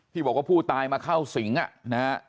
ที่บอกว่าผู้ตายมาเข้าสิงอ่ะนะฮะ